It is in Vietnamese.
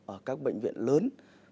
ở các bệnh viện lớn